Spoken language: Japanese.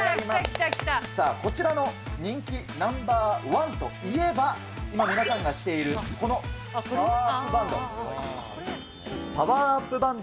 さあ、こちらの人気ナンバー１といえば、皆さんがしているこのパワーアップバンド。